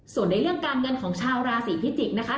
ส่วนในเรื่องการเงินของชาวราศีพิจิกษ์นะคะ